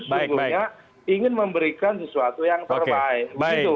sesungguhnya ingin memberikan sesuatu yang terbaik